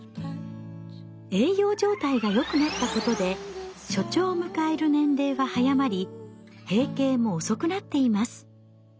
栄養状態がよくなったことで初潮を迎える年齢は早まり閉経も遅くなっています。